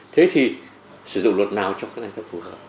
thế thì sử dụng luật nào trong cái này nó phù hợp